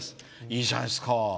いいじゃないですか。